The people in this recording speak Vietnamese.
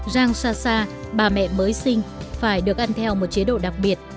rang xa xa bà mẹ mới sinh phải được ăn theo một chế độ đặc biệt